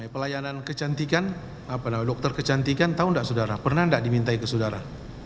pelayanan kecantikan dokter kecantikan pernah tidak dimintai ke saudara